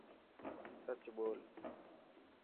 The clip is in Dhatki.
سچ ٻول.